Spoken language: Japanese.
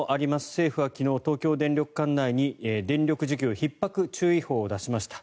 政府は昨日東京電力管内に電力需給ひっ迫注意報を出しました。